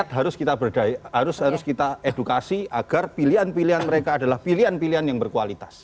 itu harus kita edukasi agar pilihan pilihan mereka adalah pilihan pilihan yang berkualitas